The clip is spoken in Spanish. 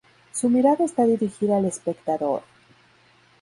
Su mirada está dirigida al espectador.